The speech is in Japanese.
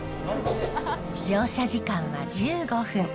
乗車時間は１５分。